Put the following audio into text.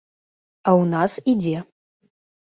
А ў нас ідзе.